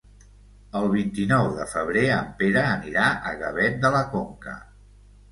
El vint-i-nou de febrer en Pere anirà a Gavet de la Conca.